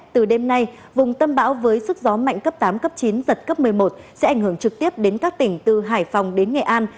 từ đêm nay vùng tâm bão với sức gió mạnh cấp tám cấp chín giật cấp một mươi một sẽ ảnh hưởng trực tiếp đến các tỉnh từ hải phòng đến nghệ an